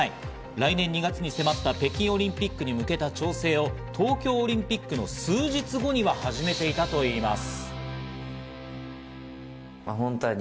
来年２月に迫った北京オリンピックへ向けた調整を東京オリンピックの数日後には始めていたといいます。